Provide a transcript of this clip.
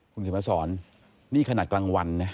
คุณเขียนมาสอนนี่ขนาดกลางวันนะ